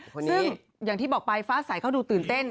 ซึ่งอย่างที่บอกไปฟ้าใสเขาดูตื่นเต้น